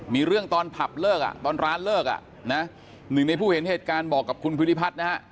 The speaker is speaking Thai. มีเรื่องตอนผับเลิกอ่ะตอนร้านเลิกอ่ะนะหนึ่งในผู้เห็นเหตุการณ์บอกกับคุณภูริพัฒน์นะฮะ